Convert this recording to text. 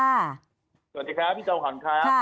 สวัสดีครับพี่เจ้าหอนครับ